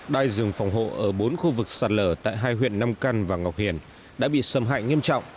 đai rừng phòng hộ ở bốn khu vực sạt lở tại hai huyện nam căn và ngọc hiền đã bị xâm hại nghiêm trọng